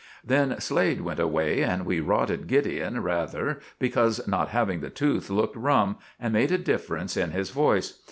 Then Slade went away, and we rotted Gideon rather, because not having the tooth looked rum, and made a difference in his voice.